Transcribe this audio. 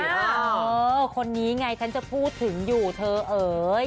เออคนนี้ไงฉันจะพูดถึงอยู่เธอเอ๋ย